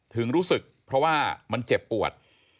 ถึงรู้สึกเพราะว่ามันเจ็บปวด